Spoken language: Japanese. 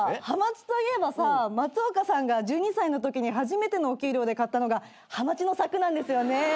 ハマチといえばさ松岡さんが１２歳のときに初めてのお給料で買ったのがハマチのさくなんですよね。